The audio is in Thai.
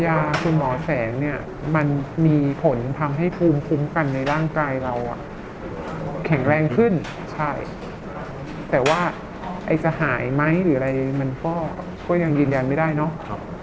ยาคุณหมอแสงเนี่ยมันมีผลทำให้ภูมิคุ้มกันในร่างกายเราอ่ะแข็งแรงขึ้นใช่แต่ว่าไอ้จะหายไหมหรืออะไรมันก็ยังยืนยันไม่ได้เนาะ